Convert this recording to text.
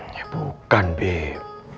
ya bukan beb